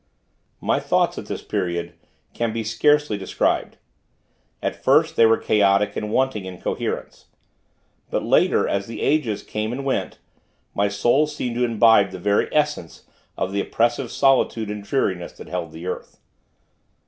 My thoughts, at this period, can be scarcely described. At first, they were chaotic and wanting in coherence. But, later, as the ages came and went, my soul seemed to imbibe the very essence of the oppressive solitude and dreariness, that held the earth.